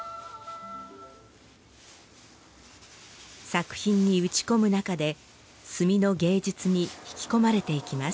作品に打ち込むなかで墨の芸術に引き込まれていきます。